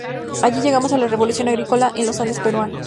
Y así llegamos a la revolución agrícola en los Andes peruanos.